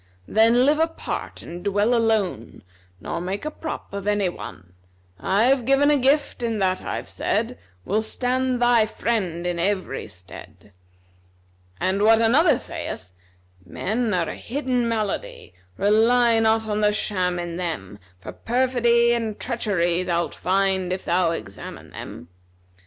Then live apart and dwell alone, Nor make a prop of any one, I've given a gift in that I've said, Will stand thy friend in every stead:' And what another saith, 'Men are a hidden malady; * Rely not on the sham in them: For perfidy and treachery * Thou'lt find, if thou examine them.'